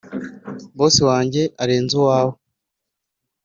Bosi wange arenze uwawe